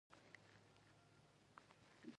تاسې اساني کوونکي لېږل شوي یاستئ.